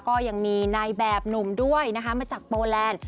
ก็ยังมีนายแบบหนุ่มด้วยนะคะมาจากโปแลนด์